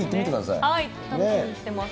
はい、楽しみにしてます。